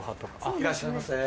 いらっしゃいませ。